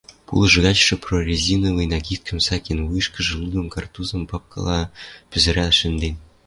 Пулыш гачшы прорезиновый накидкӹм сӓкен, вуйышкыжы луды картузым папкыла пӹзӹрӓл шӹнден.